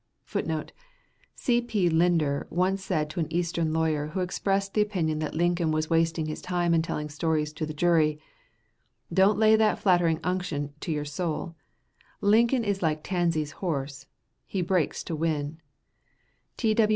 [Footnote: C. P. Linder once said to an Eastern lawyer who expressed the opinion that Lincoln was wasting his time in telling stories to the jury, "Don't lay that flattering unction to your soul. Lincoln is like Tansey's horse, he 'breaks to win.'"